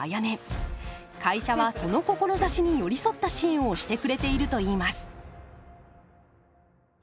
会社はその志に寄り添った支援をしてくれているといいます。